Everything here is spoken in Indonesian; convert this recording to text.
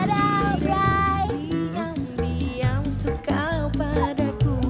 ada baik yang diam suka padaku